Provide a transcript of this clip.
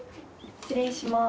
失礼します。